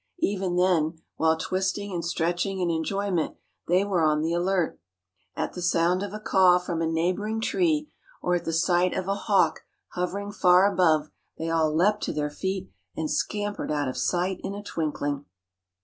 Even then, while twisting and stretching in enjoyment, they were on the alert. At the sound of a caw from a neighboring tree, or at the sight of a hawk hovering far above, they all leapt to their feet, and scampered out of sight in a twinkling.